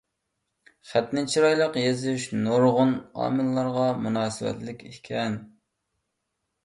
خەتنى چىرايلىق يېزىش نۇرغۇن ئامىللارغا مۇناسىۋەتلىك ئىكەن.